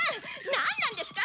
なんなんですか？